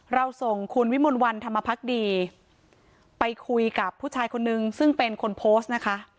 เราส่งคุณวิมลวันธรรมพักดีไปคุยกับผู้ชายคนนึงซึ่งเป็นคนโพสต์นะคะ